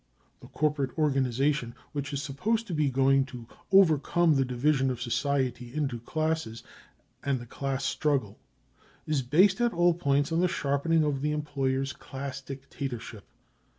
The " Corporate organisation " which is supposed to be going to overcome the division of society into classes and the class struggle is based at all points on the sharpening of the employers' class dictator ship.